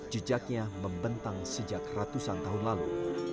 jejaknya membentang sejak ratusan tahun lalu